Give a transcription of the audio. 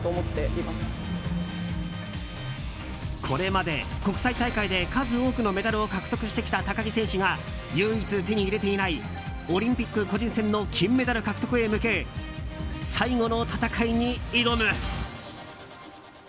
これまで国際大会で数多くのメダルを獲得してきた高木選手が唯一手に入れていないオリンピック個人戦の金メダル獲得へ向け最後の戦いに挑む。